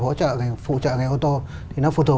phụ trợ người ô tô thì nó phụ tùng